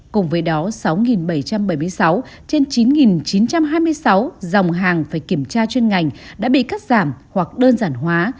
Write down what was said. cùng với đó sáu bảy trăm bảy mươi sáu trên chín chín trăm hai mươi sáu dòng hàng phải kiểm tra chuyên ngành đã bị cắt giảm hoặc đơn giản hóa